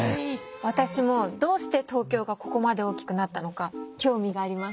私もどうして東京がここまで大きくなったのか興味があります。